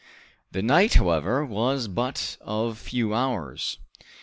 The night, however, was but of few hours.